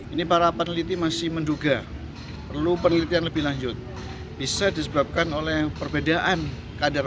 ini para peneliti masih menduga perlu penelitian lebih lanjut bisa disebabkan oleh perbedaan kadar